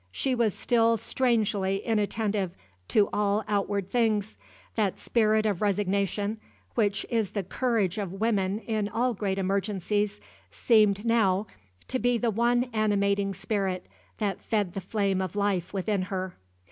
She was still strangely inattentive to all outward things. That spirit of resignation, which is the courage of women in all great emergencies, seemed now to be the one animating spirit that fed the flame of life within her.